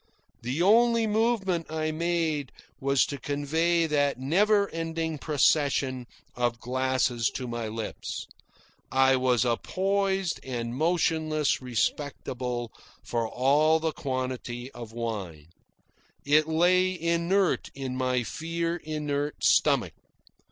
The only movement I made was to convey that never ending procession of glasses to my lips. I was a poised and motionless receptacle for all that quantity of wine. It lay inert in my fear inert stomach.